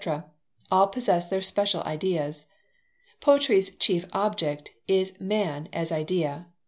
all possess their special ideas. Poetry's chief object is man as idea.